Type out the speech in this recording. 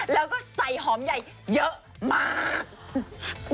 แล้วก็ใส่หอมใหญ่เยอะมาก